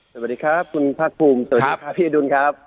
สวัสดีครับคุณภาคภูมิสวัสดีครับพี่อดุลครับ